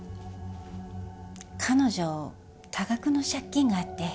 彼女多額の借金があって。